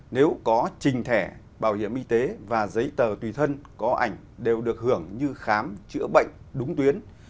nếu có trình thẻ bảo hiểm y tế và giấy tờ tùy thân có ảnh đều được hưởng như khám chữa bệnh đúng tuyến